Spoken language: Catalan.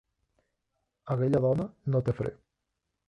Aquella dona no té fre.